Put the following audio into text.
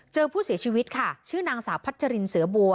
เจอผู้เสียชีวิตค่ะชื่อนางสาวพัชรินเสือบัว